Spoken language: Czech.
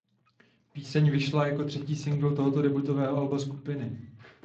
Píseň vyšla jako třetí singl tohoto debutového alba skupiny.